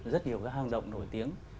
rất nhiều cái hang rộng nổi tiếng